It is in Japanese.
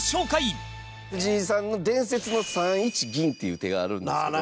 高橋：藤井さんの伝説の３一銀っていう手があるんですけど。